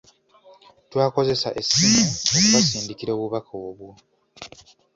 Twakozesa essimu okubasindikira obubaka obwo.